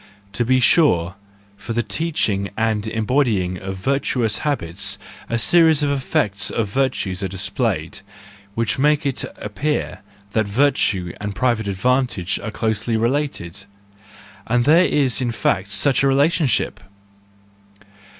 To be sure, for the teaching and embody¬ ing of virtuous habits a series of effects of virtue are displayed, which make it appear that virtue and private advantage are closely related,—and there is in fact such a relationship!